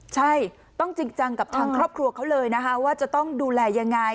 ใช่ต้องจริงจังกับทางครอบครัวเขาเลยนะคะว่าจะต้องดูแลยังไง